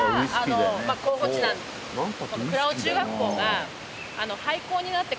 倉尾中学校が。